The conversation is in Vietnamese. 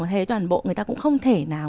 thế toàn bộ người ta cũng không thể nào